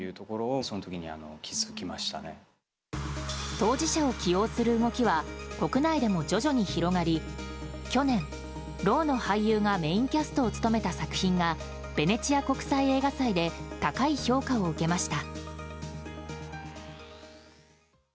当事者を起用する動きは国内でも徐々に広がり去年、ろうの俳優がメインキャストを務めた作品がベネチア国際映画祭で高い評価を受けました。